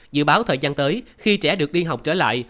dự báo thời gian tới khi trẻ được đi học trở lại